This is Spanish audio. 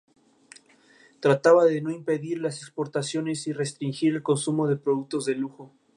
Trataba de no impedir las exportaciones y restringir el consumo de productos de lujo.